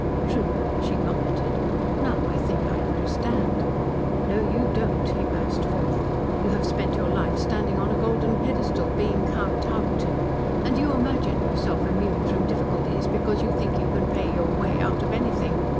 "True," she commented. "Now I think I understand." "No, you don't," he burst forth. "You have spent your life standing on a golden pedestal, being kowtowed to, and you imagine yourself immune from difficulties because you think you can pay your way out of anything.